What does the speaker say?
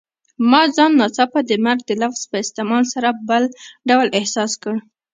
ما ځان ناڅاپه د مرګ د لفظ په استعمال سره بل ډول احساس کړ.